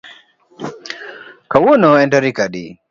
Kawuono en tarik adi